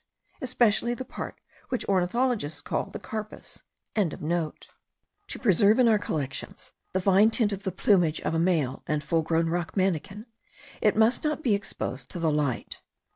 *(* Especially the part which ornithologists call the carpus.) To preserve in our collections the fine tint of the plumage of a male and full grown rock manakin, it must not be exposed to the light.